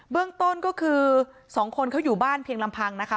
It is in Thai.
เรื่องต้นก็คือ๒คนเขาอยู่บ้านเพียงลำพังนะคะ